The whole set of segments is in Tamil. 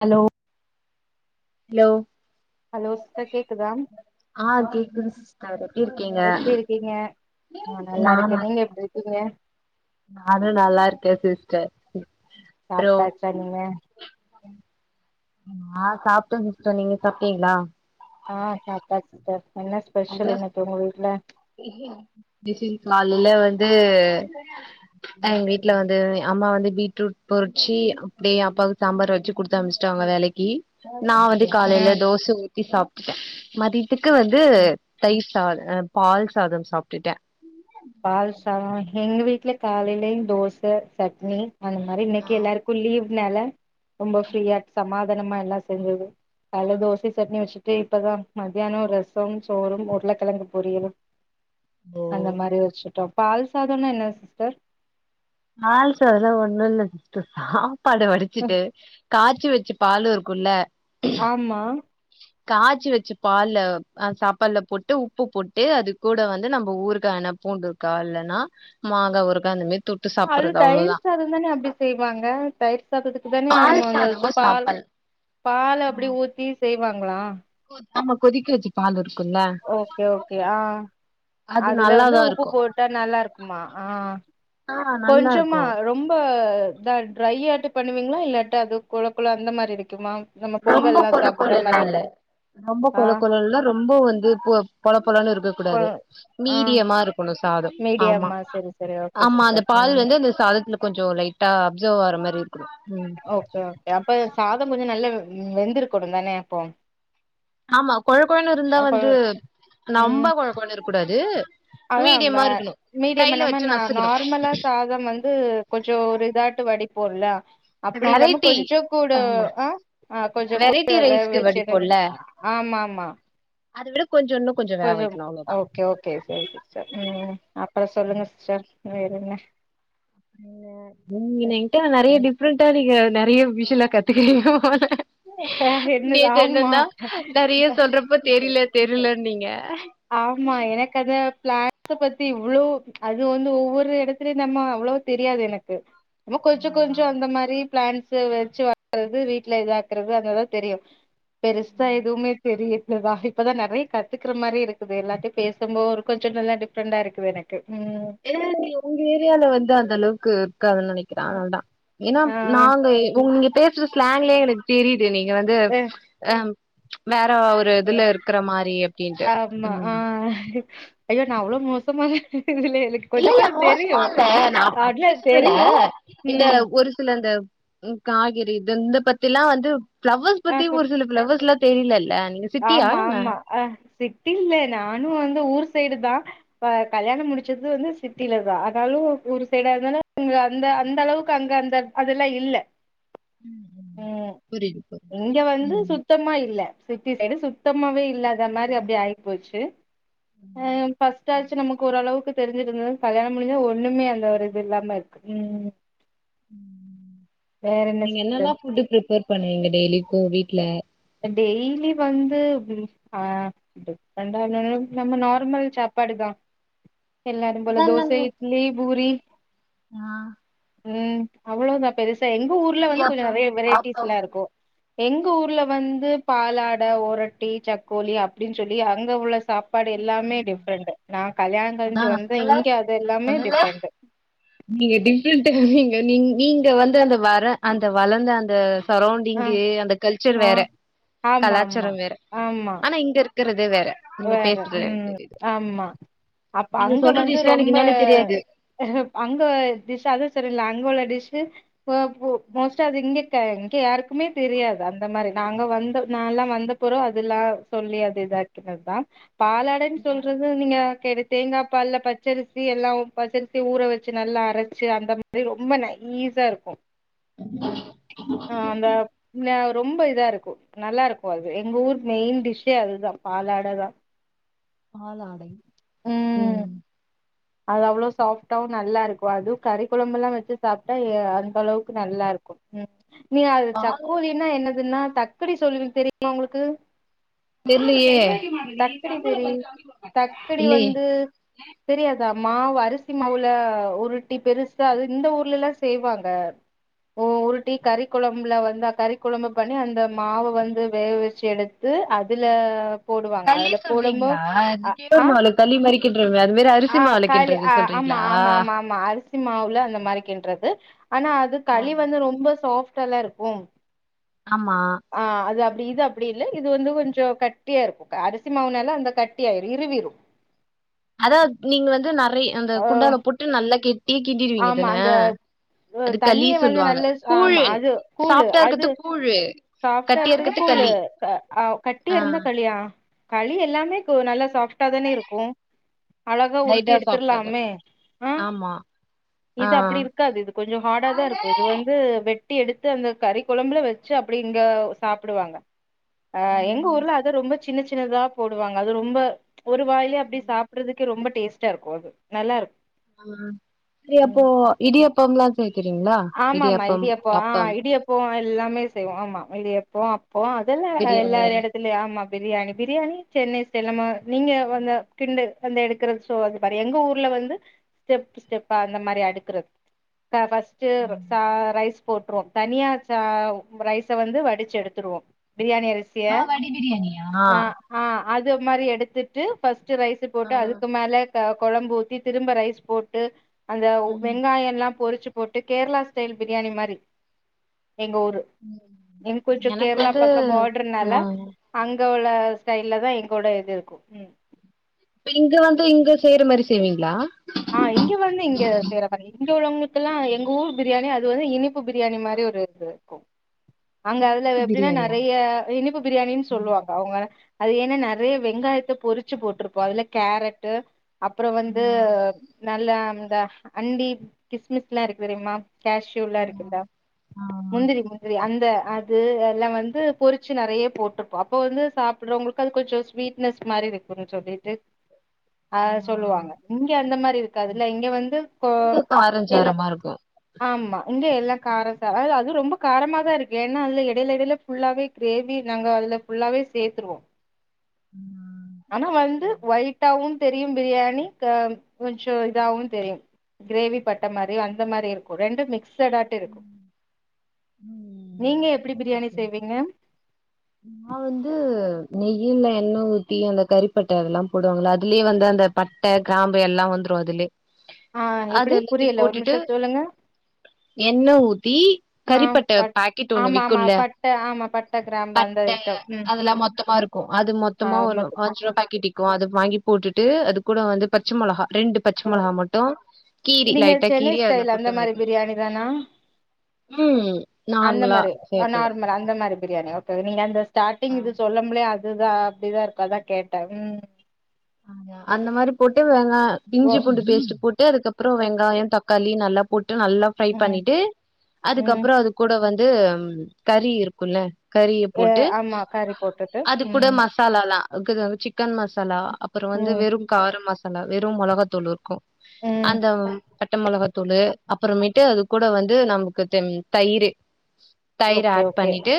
ஹலோ ஹலோ ஹலோ சிஸ்டர் கேக்குதா ஆ கேக்குது சிஸ்டர் எப்டி இருக்கீங்க எப்டி இருக்கீங்க ஆ நல்லா நானா இருக்கே நீங்க எப்டி இருக்கீங்க நானு நல்லா இருக்கே சிஸ்டர் றோ சாப்ட்டாச்சா நீங்க நா சாப்பிட்டன் சிஸ்டர் நீங்க சாப்பிட்டீங்களா ஆ சாப்டாச்சி சிஸ்டர் என்ன ஸ்பெஷல் இன்னைக்கி உங்க வீட்ல காலையில வந்து எங்க வீட்ல வந்து அம்மா வந்து பீட்ரூட் பொரிச்சி அப்டியே அப்பாவுக்கு சாம்பார் வச்சி குடுத்து அனுப்பிச்டாங்க வேலைக்கி நா வந்து ஓகே காலையில ம் தோச ஊத்தி சாப் மதி த்துக்கு வந்து ம் தயிர் டாரு அம் பால் சாதம் சாப்பிட்டுட்டேன் பால் சாதம் எங்க வீட்ல காலையில தோசை சட்னி அந்த மாரி ஆ இன்னைக்கி எல்லாருக்கும் லீவ் ன்னால ரொம்ப ஃப்ரியா சமா இத நம்ம எல்லா செஞ்சது காலைல தோசை சட்னி வச்சிட்டு இப்பதா மத்தியானம் ரசமும் சோறும் உருளகிழங்கு பொரியலும் அந்த ஓ மாரி ஒரு பால் சாதம்னா என்ன சிஸ்டர் பால் சாதம்னா ஒன்னு இல்ல சிஸ்டர் சாப்பட வடிச்சிட்டு காய்சி வச்சு பால் இருக்குல ஆமா காச்சி வச்ச பால்ல சாப்பட்ல போட்டு உப்பு போட்டு அது கூட வந்து நம்ம ஊறுகா என பூண்டு ஊறுகா இல்லனா மாங்கா ஊறுகா அந்த மாரி தொட்டு அது சாப்புட்றது தயிர் அவ்ளோதா சாதம் தானே அப்டி செய்வாங்க தயிர் சாதத்துக்கு தானே பால் நம்ம சாதமு வந் பால் சாப்பல் பால் அப்டி ஊத்தி செய் வாங்ளா ஆமா கொதிக்கவச்ச பாலு ஓகே ஓகே ஆ அது அதுல வந்து நல்லாதா உப்பு இருக்கு போட்டா நல்லா இருக்குமா ஆ ஆ நல்லா கொஞ்சமா இருக்கு ரொம்ப த ட்ற ட்ரையாட்டு பண்ணுவீங்களா இல்லாட்ட அது குழ குழ அந்த மாரி இருக்குமா நம்ம ரொம்ப பொங்கல்லா கொல சாப்புட்ற கொலனு மாரி இல்ல ரொம்ப ஆ குள குளனு இல்ல ரொம்ப வந்து பொலப்பலன்னனு இருக்க கொ கூடாது ஆ மீடியமா இருக்கணு சாதம் ஆமா மீடியமா செரி செரி ஓகே ஆமா அந்த சிஸ்டர் பால் ம் வந்து அந்த சாதத்துல கொஞ்ச லைட்டா அப்சர்வ் ஆகுற மாரி இருக்கணு ம் ஓகே ஓகே அப்ப சாதம் கொஞ்சம் நல்ல ம் வெந்திருகனு தானே அப்போ ஆமா கொல கொலன்னு இருந்தா அப்ப வந்து ம் நம்ப கொல கொலன்னு இருக்க கூடாது அதா மீடியமா இந்த இருக்கணு மீடியம்னா கையில நம்ம வச்சு நா நசுக்கணு நார்மலா சாதம் வந்து கொஞ்சோ ஒரு இதாட்ட வடிப் போல்ல அப்படி இல்லாம வெரைட்டி கொஞ்சோ கூட ஆமா ஆ ஆ கொஞ்சோ வெரைட்டி கூட வேக ரைஸ்க்கு வெச்சு எடுக்கணு ஆமா ஆமா அது விட கொஞ்சோ இன்னு கொஞ்சோ வேக கொஞ்ச வைக்கணு அவ்ளோதா ஓகே ஓகே செரி சிஸ்டர் ம் அப்புற சொல்லுங்க சிஸ்டர் வேறன்ன ம் நீங் எண்ட்ட நெறைய டிஃப்ரெண்டா இருக்க நெறைய விஷயோல்ல கத்துக்குவீங்க போல என்ன நேத்து ஆமா என்னன்னா நெறைய சொல்றப்போ தெரில தெரிலன்னீங்க ஆமா எனக்கு அது பிளான்ட்ஸ பத்தி இவ்ளோ அது வந்து ஒவ்வொரு எடத்துலயு நம்ம அவ்ளோ தெரியாது எனக்கு சும்மா கொஞ்சோ கொஞ்சோ அந்த மாரி பிளான்ட்ஸு வச்சு [inaudible] வீட்ல இதாக்கறது அதுதா தெரியு பெருசா எதுவுமே தெரிய இதா இப்பதா நெறைய கத்துக்குற மாரி இருக் குது எல்லார்ட்டயு பேசும்போது கொஞ்சோ நல்லா டிஃப்ரெண்டா இருக்குது எனக்கு ம் ஏ நீங் உங்க ஏரியால வந்து அந்த அளவுக்கு க்காதுன்னு நெனைக்கிறே அதனாலதா ஏன்னா ஆ நாங்க எ உங்க பே ச்சு ஸ்லாங்லயே எனக் தெரி யுது நீங்க வந்து அஹ். அம் வேற ஒரு இதுல இருக்கற மாரி அப்டின்ட்டு ஆமா ஆ ம் ஐயோ நா அவ்ளோ மோசமா [unintelligible] இல்ல இல்ல மோசமா இல்ல நா அதுல அப்டி சொல்லல தெரியு இந்த ம் ஒரு சில இந்த ம் காய்கறி இது ந்த பத்திலா வந்து ஃபிளவர்ஸ் பத்தி ஆ ஒரு சில ஃபிளவர்ஸ்லா தெரியில இல்ல ஆமா ஆமா ஆ சி ட்டி இல்ல நானு வந்து ஊர் சைடுதா ஆ கல்யாண முடிச்சது வந்து சிட்டிலதா ஆனாலு ஊர் சைடா இருந்தாலு அங்க அந்த அந்த அளவுக்கு அங்க அந்த அதெல்லா இல்ல ம் புரியுது புரியுது இங்க வந்து ம் சுத்தமா இல்ல‌ சிட்டி சைடு சுத்தமாவே இல்ல அந்த மாரி அப்டியே ஆயிப்போச்சு ஆ பஸ் தாச்சு நமக்கு ஓரளவுக்கு தெரிஞ்சு இருந்தது கல்யாண முடிஞ்சா ஒண்ணுமே அந்த ஒரு இது இல்லாம இருக்கு உம் [inaudible] நீங்க என்னல்லா சிஸ்டர் ஃபுட்டு ப்ரீப்பேர் பண்ணுவிங்க டெய்லிக்கு வீட்ல டெய்லி வந்து [unintelligible] ஆஹ் டிஃப்றெண்ட்டா அந்த அளவுக்கு நம்ம நார்மல் சாப்பாடு தா எல்லாரும் போல தோச இட்லி பூரி உம் அவ்ளோ தா பெருஸ் சா எங்க ஊர்ல வந்து கொஞ்சோ நிறைய வெரைட்டிஸ்ல்லா இருக்கு எங்க ஊர்ல வந்து பாலாட ஒரட்டி சக்கோலி அப்டின்னு சொல்லி அங்க உள்ள சாப்பாடு எல்லாமே டிஃப்ரெண்ட் நான் கல்யாணம் கழிஞ்சு வந்தேன் இங்க அது எல்லாமே டிஃப்ரெண்ட் நீங்க நீங்க நீ நீங்க வந்து அந்த வர அந்த வளர்ந்த அந்த ஆ சரௌண்டிங்கு அந்த கல்சர் ஆ வேற ஆமா ஆமா கலாச்சாரம் வேற ஆமா ஆனா இங்க இரு வேற நீங்க பே வேற ம் ஆமா அப்ப நீங்க அங்க சொல்ற வந்து டிஷ்லா எனக்கு ரொம்ப என்னன்னே தெரியாது அங்க டிஷ் அதும் செரியில்ல பல டிஷ்சு பா போ மோஸ்ட்டா அது இங்க எங்க யாருக்குமே தெரியாது அந்த மாரி நாங்க வந்த நால்லா வந்த பெறவு அதுல்லா சொல்லி அது இதா இருக்கிறது தான் பாலாடன் சொல்றது நீங்க கேடு தேங்காப்பால்ல பச்சரிசி எல்லா பச்சரிசி ஊற வச்சி நல்லா அரச்சி அந்த மாரி ரொம்ப நைய்சா இருக்கும் ஆ அந்த [unintelligible] ரொம்ப இதா இருக்கு நல்லா இருக்கு அது எங்க ஊர் மெயின் டிஷ்ஷே அதுதான் பாலாடதா பாலாடை ம் உம் அது அவ்ளோ சாஃப்டாவு நல்லா இருக்கும் அதுவும் கறி கொழம்புல்லா வச்சி சாப்ட்டா யா அந்த அளவுக்கு நல்லா இருக்கும் ம் நீ அது சக்கோலின்னா என்னதுன்னா எப்டி சொல்லுவீங்க தெரியுமா உங்களுக்கு தெர்லையே தக்கடி தெரியு இல்லையே அ மாவு அரிசி மாவுல உருட்டி பெருசா அது இந்த ஊர்லல்லாம் செய்வாங்க உருட்டி கறிக்குழம்புல வந்து கறிக்குழம்பு பண்ணி அந்த மாவ வந்து வேக வச்சி எடுத்து அதுல போடுவாங்க களி அதுல போடும்போ சொல்றீங்ளா இந்த அ கேவூரு ஆ மாவுல களி மாரி கின்றோமே அதுமேரி ஆ காலி ஆ ஆமா ஆமா ஆமா ஆமா அரிசி மாவுல அந்த மாரி கின்றது து ஆனா அது களி வந்து ரொம்ப சாஃப்ட் டல்லா இருக்கு ஆமா ஆ அது அப்டி இது அப்டி இல்ல இது வந்து கொஞ்சோ கட்டியா இருக்கு அரிசி மாவுனால அந்த கட்டியாயிரும் இரிவிரும் அதான் நீங்க வந்து நர் அந்த குண்டால போட்டு நல்லா கெட்டி ஆமா அந்த களி தண்ணிய வந்து சொல்லுவாங்க நல்லஸ் கூழ் ஆமா அது கூழு சாஃப்டா அது இருக்கறது கூழு சாஃப்டா கட்டியா இருக்குது இருக்கறது கூளு களி அ கட்டி ஆ இருந்தா கலியா களி எல்லாமே நல்லா சாஃப்ட்டா தானே இருக்கும் அழகா உருட்டி லைட்டா சாப்ட்டது எடுத்துர்லாமே ஆ ஆமா ஆ இது அப்டி இருக்காது இது கொஞ்சோ ஹார்டா தா இருக்கு இது வந்து வெ ட்டி எடுத்து அந்த கறி குழம்புல வச்சு அப்டி இங்க சாப்டுவாங்க ஆ எங்க ம் ஊர்ல அத ரொம்ப சின்ன சின்னதா போடுவாங்க அது ரொம்ப ஒரு வாயிலயே அப்டி சாப்பிறதுக்கு ரொம்ப டேஸ்ட்டா இருக்கு அது நல்லா இருக்கு அ சரி அப்போ ம் இடியப்பம்லாம் ஆமாமா இடியாப்போ ஆ இடியாப்போ எல்லாமே செய்வோம் ஆமா இடியாப்போ போ அதெல்லா எல்லா எடத்துலயு ஆமா பிரியாணி பிரியாணி சென்னை ஸ்டைல்ல நம்ம நீங்க வந்த [unintelligible] எங்க ஊர்ல வந்து ஸ்டெப்பு ஸ்டெப்பா அந்த மாதிரி அடுக்குறது கா ஃபர்ஸ்ட் ட்டு சா ரைஸ் போட்ருவோம் தனியா சா ரைச வந்து வடிச்சி எடுத்துருவோம் பிரியாணி அரிசிய ஆ நா ஆ அது மாரி எடுத்துட்டு ஃபர்ஸ்ட் ரைஸ் ஆ போட்டு அதுக்கு மேல குழம்பு ஊத்தி திரும்ப ரைஸ் போட்டு அந்த ம் வெங்காயம் எல்லா பொறிச்சு போட்டு கேரளா ஸ்டைல் பிரியாணி மாரி எங்க ஊரு எங்க கொஞ்ஜோ எனக்கு கேரளா வந்து பக்க ஆ பாடர்னால அங்க எங்க ஸ்டைல்ல தான் எங்கோட இது இருக்கும் உம் இப்ப இங்க வந்து இங்க செய்யற மாரி செய்வீங்களா ஆ இங்க வந்து இங்க வேற இங்க உள்ளவங்களுக் இதுக்கெல்லாம் எங்க ஊர் பிரியாணி அது வந்து இனிப்பு பிரியாணி மாரி ஒரு இது இருக்கும் அங்க அதுல எப்படின்னா பிரியாணியா நறைய இனிப்பு பிரியாணின்னு சொல்லுவாங்க அவங்க அது ஏன்னா நெறைய வெங்காயத்த பொறிச்சு போட்டிருப்போம் அதுல கேரட்டு அப்றோம் வந்து நல்லா அந்த அண்டி கிஸ்மிஸ்லா இருக்கு தெரியுமா கேஷூல்லா இருக்குல முந்திரி முந்திரி அந் த அது எல்லா வந்து பொறிச்சு நெறைய போட்ருப்போம் அப்போ வந்து சாப்பிடுறவங்களுக்கு அது கொஞ்ச ஸ்வீட்னஸ் மாரி இருக்கும் கொஞ்ச செல்லிட்டு ஆ சொல்லுவாங்க இங்க அந்த மாரி இருக்காத்துல இங்க வந்து கோ இல்ல ஆமா இங்க எல்லா காரம் த அதுவும் ரொம்ப காரம தான் இருக்கு ஏன்னா அதுல இடையில இடையில் ஃபுல்லாவே கிரேவி நாங்க அதுல ஃபுல்லாவே சேத்துருவோம் ஆனா வந்து ஒயிட்டாவும் தெரியும் பிரியாணி க கொஞ்சே இதாகும் தெரியும் கிரேவி பட்ட மாரி அந்த மாரி இருக்கும் ரெண்டு மிக்ஸ் மிக்ஸட்டாட்டு இருக்கும் ம் நீங்க எப்டி பிரியாணி செய்வீங்க நா வந்து நெய்யில எண்ண ஊத்தி அந்த கறிப்பட்ட அது எல்லா போடுவாங்களா அதுலயே வந்து அந்த பட்டை கிராம்பு எல்லா வந்துரும் அதுலயே ஆ அது எப்டி புரியல ஒரு நிமிஷம் சொல்லுங்க எண்ண ஊத்தி ஆ கறிப்பட்ட பட் பாக்கெட் ஒன்னு ஆமா ஆமா விக்குல பட்ட ஆமா பட்ட கிராம்பு அந்த பட்ட ஐட்டம் ம் அது எல்லா மொத்தமா இருக்கும் அது ஆ மொத்தமா ஒரு மொத் அஞ்சு ரூபா பாக்கெட் விக்கும் அது வாங்கி போட் டு அது கூட வந்து பச்ச மொளகா ரெண்டு பச்சை மொளகா மட்டும் கீரி லைட்டா கீரி அதுல போட்டு வதக் னா அந்த நார்மலா மாரி சேத்தது நார்மலா அந்த மாரி பிரியாணி ஓகே நீங்க அந்த ஸார்டிங் இது சொல்லமுலே அ அதுதான் அப்டிதான் இருக்கு அதான் கேட்டேன் ம் ஆமா அந்த மாரி போட்டு வங்க ஓ இஞ்சி பூண்டு பேஸ்ட் போட்டு அதுக்கப்புறம் வெங்காயம் தக்காளி நல்ல நல்ல ஃப்ரை ம் பண்ணிட்டு ம் அதுக்கப்புறம் அது கூட வந் வந்து ம் கறி இருக்குல்ல கறிய ஏ போட்டு ஆமா கறி போட்டுட்டு அது கூட ம் மசாலலாம் [unintelligible] சிக்கன் மசாலா அப்றோ வந்து ம் வெறும் கார ம வெறும் மிளகா தூள் இருக்கும் ம் அந்த பட்ட மிளகா தூளு அப்புறமேட்டு அது கூட வந்து நமக்கு தெம் தயிரு தயிரு ஓகே ஆட் ஓகே பண்ணிட்டு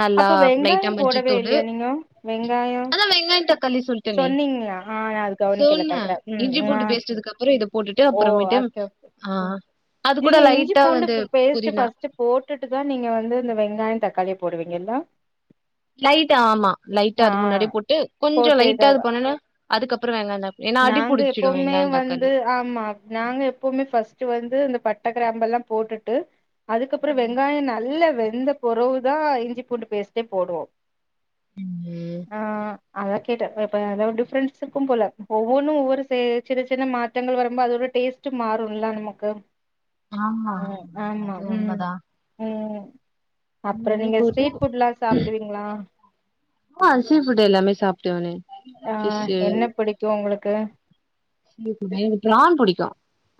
நல்லா அப்ப லைட்டா வெங்காயோ போடவே மஞ்சாத்தூளு இல்லையா நீங்க வெங்காயோ அதான் வெங்காயம் தக்காளி சொல்லிட்டனே சொன்னீங்களா ஆ நா அது கவனிக்கல சொன்ன கரெக்டா ம் இஞ்சி ஆ பூண்டு பேஸ்ட்டு இதுக்கப்புரோ இத போட்டுட்டு ஓ அப்புறமேட்டு ஓகே ஓகே ஆ அது கூட நீங்க இஞ்சி லைட்டா வந்து பூண்டு பேஸ்ட்டு புதினா ஃபர்ஸ்ட்டு போட்டுட்டு தா நீங்க வந்து இந்த வெங்காயம் தக்காளி போடுவிங்கல்ல லைட்டா ஆமா லைட்டா அது முன்னாடி போட்டு கொஞ்சோ போட்டு இத லைட்டா இது பண்ணன அதுக்கப்புற வேணானு நாங்க எப்பவுமே வந்து ஆமா நாங்க எப்பவுமே ஃபர்ஸ்ட் வந்து இந்த பட் பட்டக்கிராம்பல்லா போட்டுட்டு அதுக்கப்ரோ வெங்காயம் நல்ல வெந்த பொறவு தான் இஞ்சி பூண்டு பேஸ்ட்டே போடுவோம் ம் ஆ அதான் கேட்டேன் இப்ப ஏதாவ டிஃப்ரெண்ஸ் இருக்கும் போல ஒவ்வொன்னும் ஒவ்வொரூ சே சின்ன சின்ன மாற்றங்கள் வரும்போது அதோட டேஸ்ட்டு மாறும்ல நமக்கு ஆமா உம் ஆமா அது உம் உம் அந்த மாரி போட்டு சாப்பிடுவீங்களா ஆ சீ ஃபுட்டு எல்லாமே சாப் டுவனே ஆ என்ன புடிக்கு உங்ளுக்கு [unintelligible] எனக்கு ப்ரான் புடிக்கு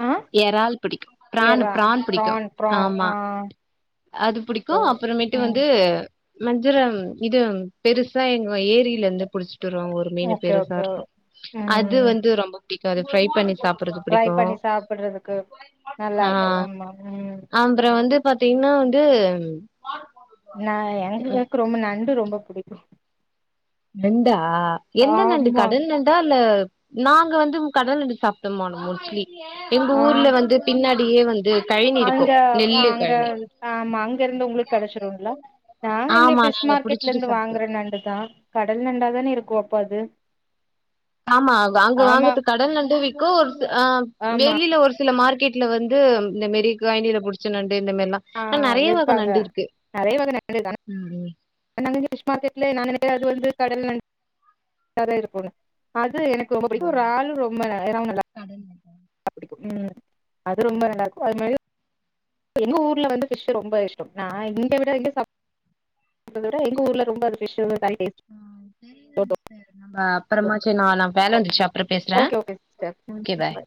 ஆ எறால் பிடிக்கு பிரான் எறா பிரான் பிடிக்கு ப்ரான் ப்ரான் ஆமா ஆ அது புடிக்கும் அப்புறமேட்டு ம் வந்து மஞ்சுரம் இது பெருசா எங்க ஏரியில இருந்து புடிச் விட்டு வருவாங்க ஒரு மீனு ஓகே பெருசா ஓகே இருக்கு அது ம் வந்து ரொம்ப பிடிக்கு அது ஃப்ரை பண்ணி சாப்பறது புடிக்கு ட்ரதுக்கு நல்லா இருக்கு ஆமா உம் பாத்தீங்ன்னா வந்து நான் எங்கக்கு ரொம்ப நண்டு ரொம் ரொம்ப புடிக்கு நண்டா டா எந்த நண்டு ஆமா கடல் நண்டா இல்ல நாங்க வந்து கடல் நண்டு சாப்ட்டமா மோஸ்ட்லி எங்க ஆ ஊர்ல வந்து பின்னா அப்டியே வந்து கழனி இருக்கு அங்க நெல்லு அங்க கழனி ஆமா அங்க இருந்து உங்களுக்கு கெடச்சிரும்ல நாங்க இங்க ஆமா பிஷ் நாங்க மார்க்கெட்ல புடிச்சிட்டு இருந்து சாப்ட்டோ வாங்குற நண்டுதா கடல் நண்டாதானே இருக்கு அப்போ அது ஆமா வாங்க ஆமா வாங்கது கடல் நண்டு விக்கு ஒரு சி ஆ ஆமா வெளில ஒரு சில மார்க்கெட் வீட்ல வந்து இந்த மெரி [unintelligible] புடிச்ச நன் ஆ விப்பாங்க நறைய வக [unintelligible] அது வந்து கடல் நண் டா இருக்கோன் ஆ து எனக்கு ரொம்ப பிடிக்கும் ராலு ரொம்ப [unintelligible] உம் அது ரொம்ப நல்ல இருக்கு அது மாரி எங்க ஊர்ல வந்து பிஷ்ஷூ ரொம்ப இஷ்டோ நான் இங்க விட எங்க சாப் விட எங்க ஊர்ல ரொம்ப பிஷ்ஷூ [unintelligible] ஹ [inaudible] நம்ம அப்புறமா செரி ந நா வேல வந்துருச்சு அப்ற பேசுறே ஓகே ஓகே சிஸ்டர் ஒகே பாய்